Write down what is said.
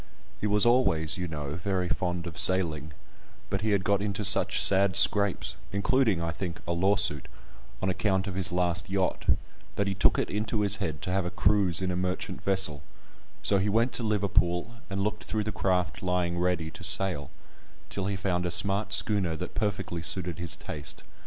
He was always, you know, very fond of sailing, but he had got into such sad scrapes (including, I think, a lawsuit) on account of his last yacht, that he took it into his head to have a cruise in a merchant vessel, so he went to Liverpool, and looked through the craft lying ready to sail, till he found a smart schooner that perfectly suited his taste.